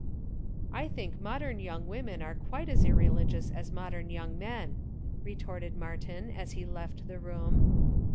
"I think modern young women are quite as irreligious as modern young men," retorted Martin, as he left the room.